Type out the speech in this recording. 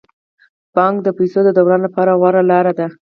بانک د پيسو د دوران لپاره غوره لاره ده.